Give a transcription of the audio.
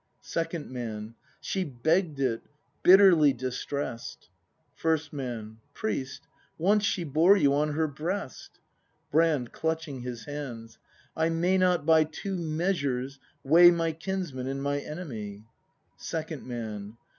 Second Man. She begg'd it, bitterly distress'd First Man. Priest, once she bore you on her breast! Brand. [Clenching his hands.] I may not by two measures weigh My kinsman and my enemy. Second Man.